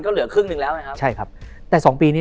ตอนนี้มาถึงใช่